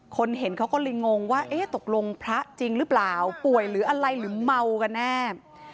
เห็นเขาก็เลยงงว่าเอ๊ะตกลงพระจริงหรือเปล่าป่วยหรืออะไรหรือเมากันแน่